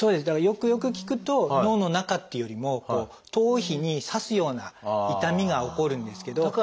だからよくよく聞くと脳の中っていうよりも頭皮に刺すような痛みが起こるんですけど。